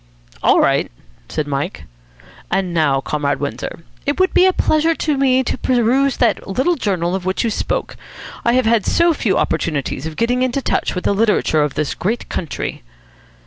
"All right," said Mike. "And now, Comrade Windsor, it would be a pleasure to me to peruse that little journal of which you spoke. I have had so few opportunities of getting into touch with the literature of this great country."